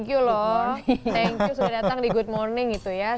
thank you sudah datang di good morning itu ya